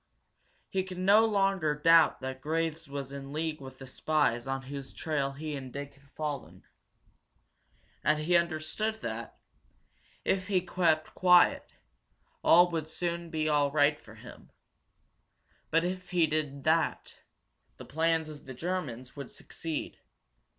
He could no longer doubt that Graves was in league with the spies on whose trail he and Dick had fallen. And he understood that, if he kept quiet, all would soon be all right for him. But if he did that, the plans of the Germans would succeed.